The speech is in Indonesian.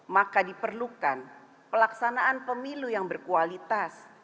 maka diperlukan pelaksanaan pemilu yang berkualitas